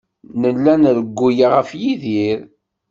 Nella nrewwel ɣef Yidir.